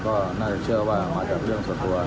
ก็น่าจะเชื่อว่ามาจากเรื่องส่วนตัว